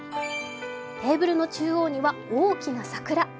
テーブルの中央には大きな桜。